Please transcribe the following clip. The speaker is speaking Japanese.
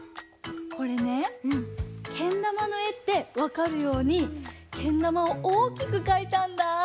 これねけんだまのえってわかるようにけんだまをおおきくかいたんだぁ！